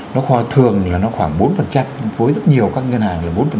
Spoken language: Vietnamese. nó thường là nó khoảng bốn với rất nhiều các ngân hàng là bốn